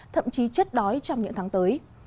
thậm chí chết đói trong những tháng tới